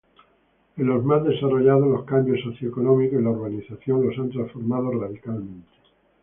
En los más desarrollados, los cambios socioeconómicos y la urbanización los han transformado radicalmente.